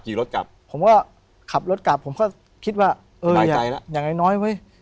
ขับรถกลับผมก็ขับรถกลับผมก็คิดว่าเอออย่างน้อยน้อยเว้ย